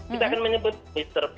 kita akan menyebut mr p